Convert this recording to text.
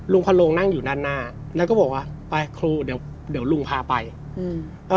ลุงพันโลงนั่งอยู่ด้านหน้าแล้วก็บอกว่าไปครูเดี๋ยวลุงพาไปอืม